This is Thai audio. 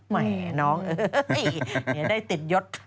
แหมน้องเนี้ยได้ติดยศ